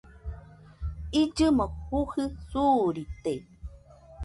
Illɨmo jujɨ suurite